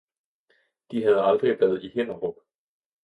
De havde aldrig været i Hinnerup